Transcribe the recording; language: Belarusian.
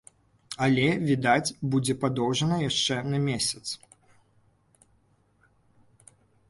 Але, відаць, будзе падоўжана яшчэ на месяц.